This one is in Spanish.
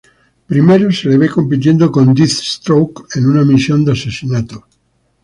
Primero se le ve compitiendo con Deathstroke en una misión de asesinato.